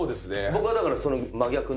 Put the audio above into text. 僕はだからその真逆の。